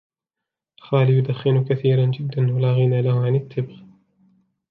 خالي يدخن كثيرًا جدا ، ولا غنى له عن التبغ.